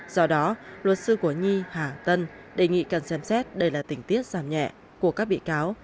do đó luật sư của nhi hà tân đề nghị cần xem xét đây là tình tiết giảm nhẹ của các bị cáo